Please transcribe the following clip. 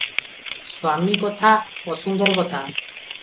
ସ୍ୱାମୀ କଥା- ଅସୁନ୍ଦର କଥା ।